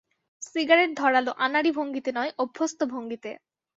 Cigarette ধরাল আনাড়ি ভঙ্গিতে নয়, অভ্যস্ত ভঙ্গিতে।